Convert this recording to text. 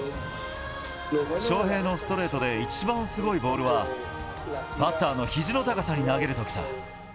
翔平のストレートで一番すごいボールは、バッターのひじの高さに投げるときさ。